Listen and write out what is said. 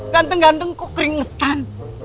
ganteng ganteng kok keringetan